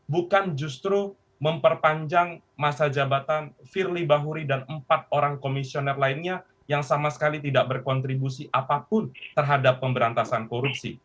bukan justru memperpanjang masa jabatan firly bahuri dan empat orang komisioner lainnya yang sama sekali tidak berkontribusi apapun terhadap pemberantasan korupsi